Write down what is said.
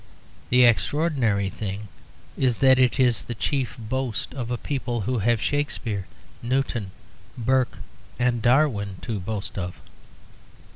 The extraordinary thing is, that it is the chief boast of a people who have Shakespeare, Newton, Burke, and Darwin to boast of.